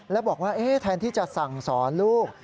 แล้วบอกว่าแทนที่จะสั่งสอนลูก